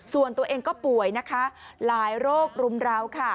ส่วนตัวเองก็ป่วยนะคะหลายโรครุมราวค่ะ